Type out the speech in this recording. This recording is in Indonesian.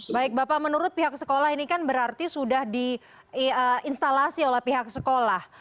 baik bapak menurut pihak sekolah ini kan berarti sudah di instalasi oleh pihak sekolah